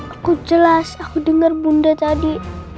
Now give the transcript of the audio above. aku jelas aku dengar bunda tadi